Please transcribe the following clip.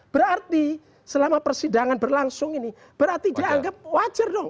berarti selama persidangan berlangsung ini berarti dianggap wajar dong